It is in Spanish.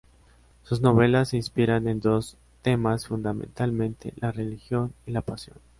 Sus novelas se inspiran en dos temas fundamentalmente: la religión y la pasión.